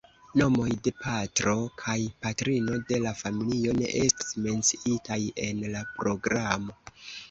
Nomoj de patro kaj patrino de la familio ne estas menciitaj en la programo.